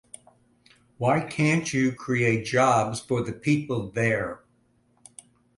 Why can't you create jobs for the people there?